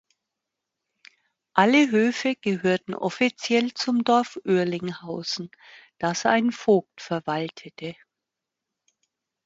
Alle Höfe gehörten offiziell zum Dorf Oerlinghausen, das ein Vogt verwaltete.